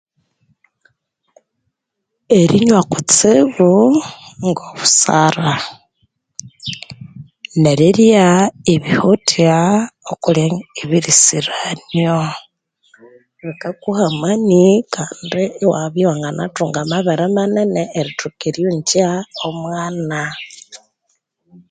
Erinywa kutsibu ngo busara nerirya ebihothya ebiriku ebirisiranio bikakuha amani kandi iwabya iwanganathunga amabere manene kandi iwathoka eryonja omwana